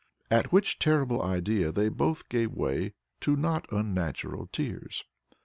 At which terrible idea they both gave way to not unnatural tears.